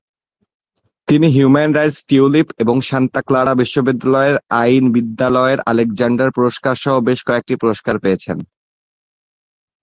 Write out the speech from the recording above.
তিনি 'human rights Tulip' এবং Santa Clara বিশ্ববিদ্যালয়ের আইন বিদ্যালয়ের আলেকজান্ডার পুরস্কার সহ বেশ কয়েকটি পুরস্কার পেয়েছেন।